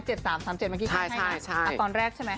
เจ็ดสามสามเจ็ดบาทบางทีเฉยใช่ใช่อ่ะตอนแรกใช่ไหม